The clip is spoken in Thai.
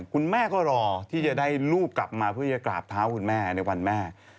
คุณแม่ก็รอที่จะได้ลูกกลับมาเพื่อจะกราบเท้าคุณแม่ในวันแม่